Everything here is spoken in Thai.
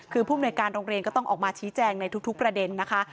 คือผู้มนวยการโรงเรียนก็ต้องออกมาชี้แจงในทุกประเด็นนะคะ